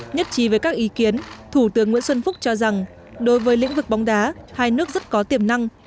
nhất trí với các ý kiến thủ tướng nguyễn xuân phúc cho rằng đối với lĩnh vực bóng đá hai nước rất có tiềm năng